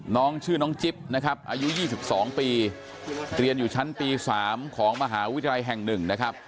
น้องชื่อน้องจิ๊บนะครับอายุ๒๒ปีเรียนอยู่ชั้นปี๓ของมหาวิทยาลัยแห่ง๑นะครับ